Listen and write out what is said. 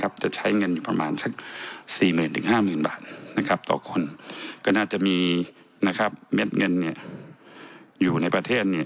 ๔๐๐๐๐๕๐๐๐๐บาทต่อคนก็น่าจะมีเม็ดเงินอยู่ในประเทศ